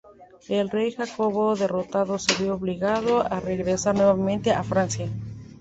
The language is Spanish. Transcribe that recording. El rey Jacobo derrotado se vio obligado a regresar nuevamente a Francia.